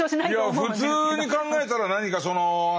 いや普通に考えたら何かそのアヘン